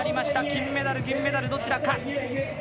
金メダル、銀メダルどちらか。